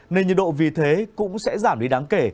nên nhiệt độ vì thế cũng sẽ giảm đi đáng kể